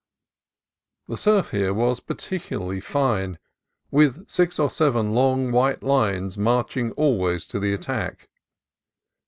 The surf here was particularly fine, with six or seven long white lines marching always to the attack.